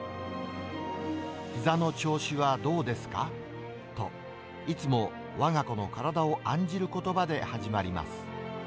ひざの調子はどうですかと、いつも、わが子の体を案じることばで始まります。